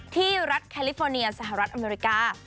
ที่รัฐแคลิฟอร์เนียสหรัฐอเมริกา